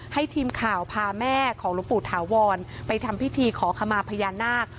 ให้ทีมข่าวพาแม่ของหลวงปู่ถาวรไปทำพิธีขอขมาพญานาค